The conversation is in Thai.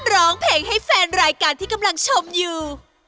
ร้องเพลงให้แฟนรายการที่กำลังชมอยู่